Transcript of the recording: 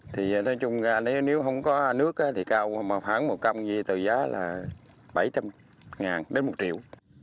thì nói chung ra nếu không có nước thì cao khoảng một trăm linh gì tờ giá là bảy trăm linh ngàn đến một triệu